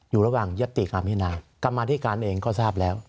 อยู่ระหว่างยัตติการพินากรรมาธิการเองก็ทราบแล้ว